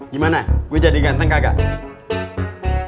gimana gue jadi ganteng kakak